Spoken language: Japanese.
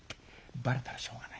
バレたらしょうがない」。